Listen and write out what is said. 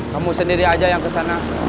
kamu sendiri aja yang kesana